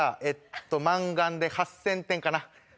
えっとマンガンで８，０００点かな。